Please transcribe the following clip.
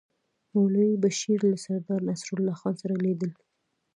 مولوي بشیر له سردار نصرالله خان سره لیدل.